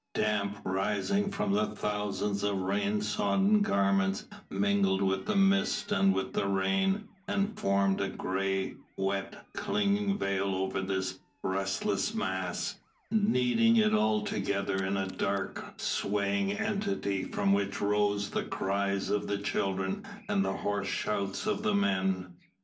Damp rising from thousands of rain sodden garments mingled with the mist and with the rain and formed a grey, wet, clinging veil over this restless mass, kneading it all together into a dark, swaying entity from which rose the cries of the children and the hoarse shouts of the men.